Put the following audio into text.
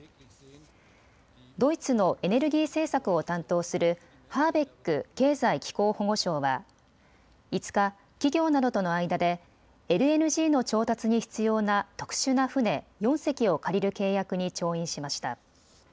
ドイツのエネルギー政策を担当するハーベック経済・気候保護相は５日、企業などとの間でＬＮＧの調達に必要な特殊な船４隻を借りる契約に調印しました。